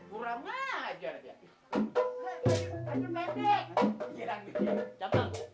kurang aja dia